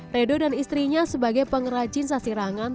redo dan istrinya sebagai pengerajin sasirangan